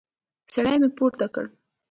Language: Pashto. سر مې پورته کړ.